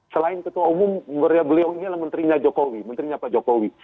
selain ketua umum beliau ini adalah menterinya jokowi menterinya pak jokowi